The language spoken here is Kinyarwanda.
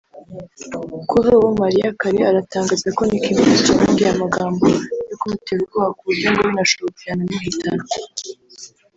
Kuri ubu Mariah Carey aratangaza ko Nicki Minaj yamubwiye amagambo yo kumutera ubwoba ku buryo ngo binashobotse yanamuhitana